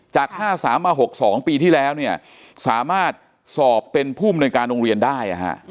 จาก๕๓มา๖๒ปีที่แล้วเนี่ยสามารถสอบเป็นผู้มนุยการโรงเรียนได้